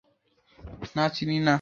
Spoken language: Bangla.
না চিনি নে।